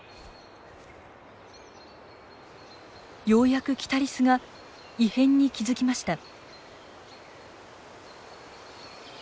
ようやくキタリスが異変に気付きました。